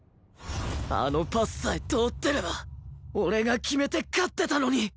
あのパスさえ通ってれば俺が決めて勝ってたのに